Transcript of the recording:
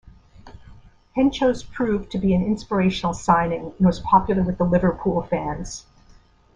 Henchoz proved to be an inspirational signing and was popular with the Liverpool fans.